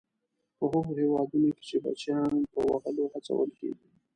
په هغو هېوادونو کې چې بچیان په وهلو هڅول کیږي.